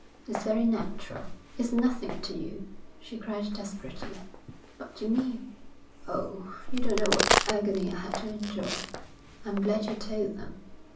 'It's very natural.' 'It's nothing to you,' she cried desperately. ' But to me.... Oh, you don't know what agony I had to endure.' 'I'm glad you told them.'